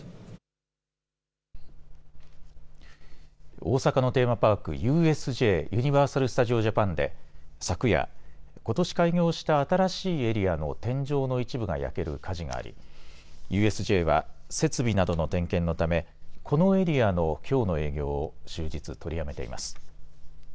大阪のテーマパーク、ＵＳＪ・ユニバーサル・スタジオ・ジャパンで昨夜、ことし開業した新しいエリアの天井の一部が焼ける火事がありＵＳＪは設備などの点検のためこのエリアのきょうの営業を終日取りやめています。